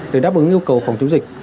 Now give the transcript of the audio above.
để đáp ứng yêu cầu phòng chống dịch